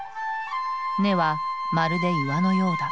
根はまるで岩のようだ。